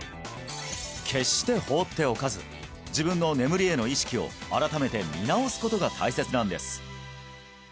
決して放っておかず自分の眠りへの意識を改めて見直すことが大切なんです